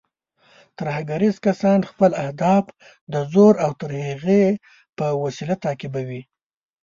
ترهګریز کسان خپل اهداف د زور او ترهې په وسیله تعقیبوي.